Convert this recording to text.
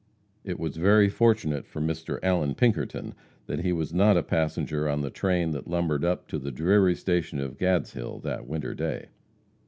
It was very fortunate for Mr. Allan Pinkerton that he was not a passenger on the train that lumbered up to the dreary station of Gadshill that winter day.